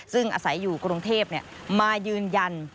ซึ่งอาศัยอยู่กรุงเทพมายืนยัน